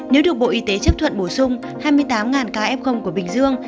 nếu được bộ y tế chấp thuận bổ sung hai mươi tám ca f của bình dương